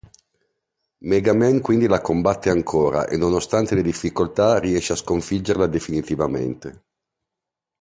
Mega Man quindi la combatte ancora e nonostante le difficoltà riesce a sconfiggerla definitivamente.